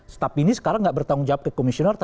staf ini sekarang tidak bertanggung jawab ke komisioner